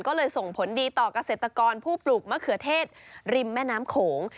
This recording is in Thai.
ก็เลยส่งผลดีต่อเกษตรกรผู้ปลูกมะเขือเทศริมแม่น้ำโขง